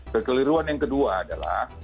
kekeliruan yang kedua adalah